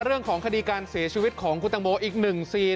เรื่องของคดีการเสียชีวิตของคุณตังโมอีกหนึ่งซีน